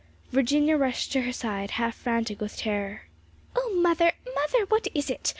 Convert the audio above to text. Virginia rushed to her side, half frantic with terror. "Oh, mother, mother, what is it?